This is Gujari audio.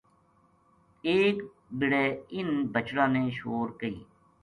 ایک بِڑے اِنھ بچڑاں نے شور کئی